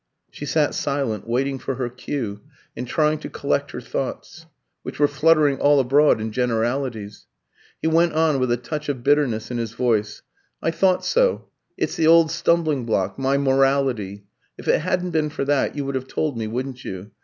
She sat silent, waiting for her cue, and trying to collect her thoughts, which were fluttering all abroad in generalities. He went on with a touch of bitterness in his voice "I thought so. It's the old stumbling block my morality. If it hadn't been for that, you would have told me, wouldn't you?